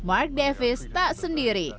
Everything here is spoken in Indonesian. mark davis tak sendiri